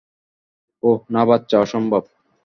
ওহ, না বাছা, অসম্ভব।